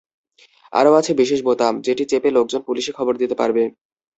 আরও আছে বিশেষ বোতাম, যেটি চেপে লোকজন পুলিশে খবর দিতে পারবে।